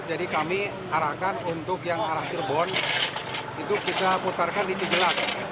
jadi kami arahkan untuk yang arah cirebon itu kita putarkan di cijelak